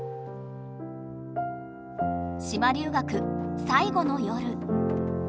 島留学最後の夜。